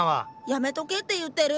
やめとけって言ってる。